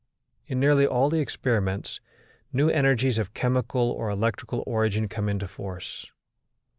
In nearly all the experiments, new energies of chemical or electrical origin come into force.